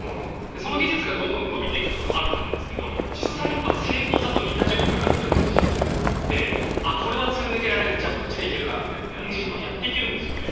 その技術がどんどん伸びていくこともあると思うので実際、精巧さとのいたちごっこになってしまうのは事実でこれはすり抜けられないなこっちで行けるかなみたいなのはやっていけるんですね。